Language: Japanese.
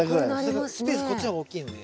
スペースこっちの方が大きいので。